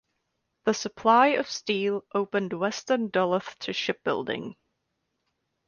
The supply of steel opened western Duluth to shipbuilding.